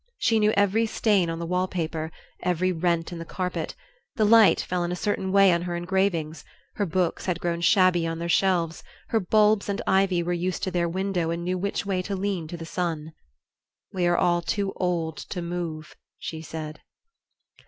She knew every stain on the wall paper, every rent in the carpet; the light fell in a certain way on her engravings, her books had grown shabby on their shelves, her bulbs and ivy were used to their window and knew which way to lean to the sun. "We are all too old to move," she said.